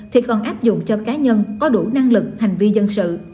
thì còn áp dụng cho cá nhân có đủ năng lực hành vi dân sự